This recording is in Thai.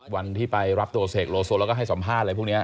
วันที่ไปรับตัวเสกโลโซแล้วก็ให้สัมภาษณ์อะไรพวกนี้